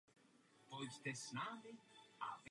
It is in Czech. Jste mužem velkých kvalit.